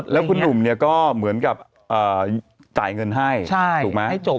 แล้วคุณหนุ่มเนี่ยก็เหมือนกับจ่ายเงินให้ถูกไหม